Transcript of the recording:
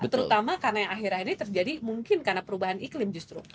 terutama karena yang akhir akhir ini terjadi mungkin karena perubahan iklim justru